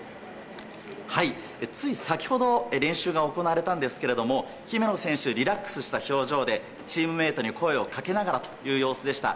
つい先ほど練習が行われたんですが姫野選手、リラックスした表情でチームメートに声をかけながらという様子でした。